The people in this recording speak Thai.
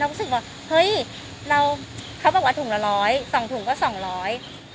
รู้สึกว่าเฮ้ยเราเขาบอกว่าถุงละร้อยสองถุงก็สองร้อย